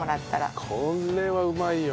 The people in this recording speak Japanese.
これはうまいよ。